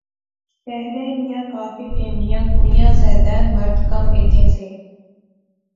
شہرے نیاں کافی فیملیاں، کڑیاں زیادے مرد کم ایتھیں سے